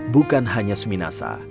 bukan hanya suminasa